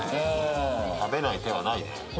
食べない手はないね。